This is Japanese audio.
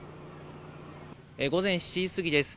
午前７時過ぎです。